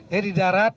jadi di darat